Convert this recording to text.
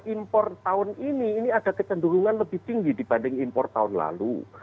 impor tahun ini ini ada kecenderungan lebih tinggi dibanding impor tahun lalu